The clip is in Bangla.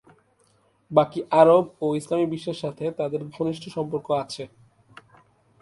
বাকী আরব ও ইসলামী বিশ্বের সাথে তাদের ঘনিষ্ঠ সম্পর্ক আছে।